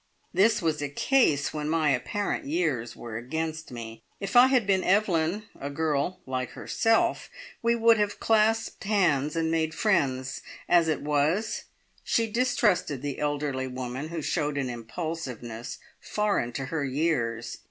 This was a case when my apparent years were against me. If I had been Evelyn a girl like herself we would have clasped hands and made friends. As it was, she distrusted the elderly woman who showed an impulsiveness foreign to her years.